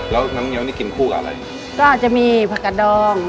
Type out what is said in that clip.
แล้วน้ำเงี้ยนี่กินคู่กับอะไรก็จะมีผักกระดอง